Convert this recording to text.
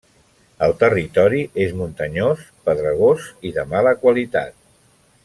El territori és muntanyós, pedregós i de mala qualitat.